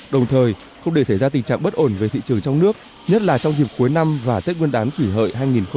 đồng thời không để xảy ra tình trạng bất ổn về thị trường trong nước nhất là trong dịp cuối năm và tết nguyên đán kỷ hợi hai nghìn một mươi chín